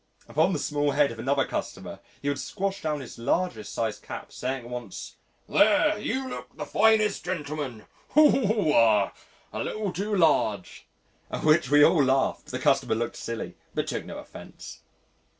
Upon the small head of another customer, he would squash down his largest sized cap saying at once, "There, you look the finest gentleman oh! ah! a little too large." At which we all laughed, the customer looked silly, but took no offence.